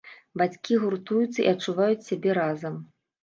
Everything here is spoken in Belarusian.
Бацькі гуртуюцца і адчуваюць сябе разам.